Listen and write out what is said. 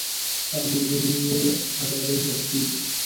هغه ملګری یې ابادۍ ته رسېږي.